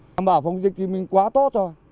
đảm bảo phòng dịch thì mình quá tốt rồi